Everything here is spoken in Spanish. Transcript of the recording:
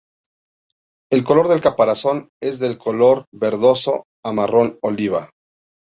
El color del caparazón es de color verdoso a marrón oliva.